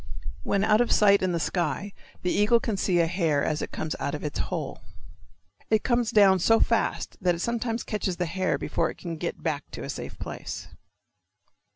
When out of sight in the sky the eagle can see a hare as it comes out of its hole. It comes down so fast that it sometimes catches the hare before it can get back to a safe place.